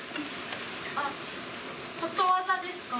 ことわざですか？